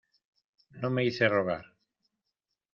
no me hice rogar.